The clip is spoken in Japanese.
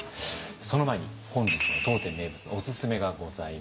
その前に本日の当店名物のおすすめがございます。